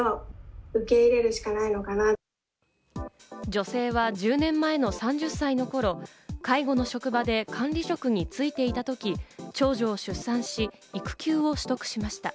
女性は１０年前の３０歳の頃、介護の職場で管理職に就いていた時、長女を出産し、育休を取得しました。